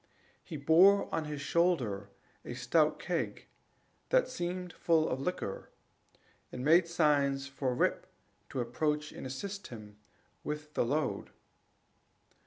He bore on his shoulder a stout keg, that seemed full of liquor, and made signs for Rip to approach and assist him with the load.